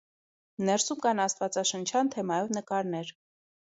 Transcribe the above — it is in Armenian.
Ներսում կան աստվածաշնչյան թեմայով նկարներ։